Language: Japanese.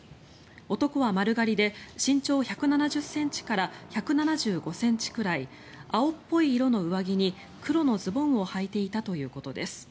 男は丸刈りで身長１７０ｃｍから１７５ｃｍくらい青っぽい色の上着に黒のズボンをはいていたということです。